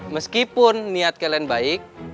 meskipun niat kalian baik